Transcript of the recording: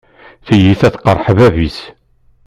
Tiyita tqeṛṛeḥ bab-is.